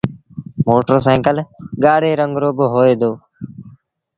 موٽر سآئيٚڪل ڳآڙي رنگ رو با هوئي دو۔